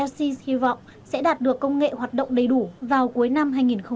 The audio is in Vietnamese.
ic hy vọng sẽ đạt được công nghệ hoạt động đầy đủ vào cuối năm hai nghìn hai mươi